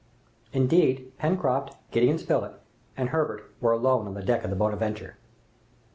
Indeed Pencroft, Gideon Spilett, and Herbert were alone on the deck of the "Bonadventure."